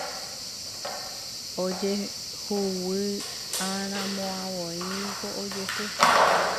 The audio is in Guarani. Ojehugui'arãmavoíniko ojehu